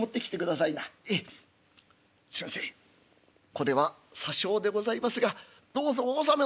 これはさ少でございますがどうぞお納め」。